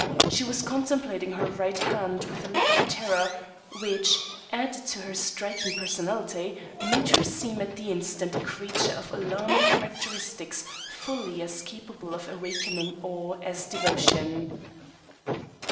She was contemplating her right hand with a look of terror, which, added to her striking personality, made her seem at the instant a creature of alarming characteristics fully as capable of awakening awe as devotion.